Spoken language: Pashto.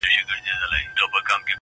نن بيا يوې پيغلي په ټپه كـي راتـه وژړل_